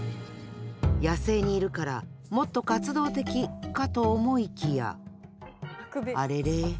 野生にいるからもっと活動的かと思いきやあれれ。